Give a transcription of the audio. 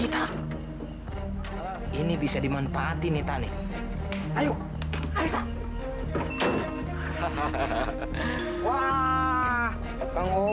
tuhan ini bisa dimanfaatkan tuhan